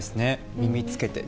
耳つけてね。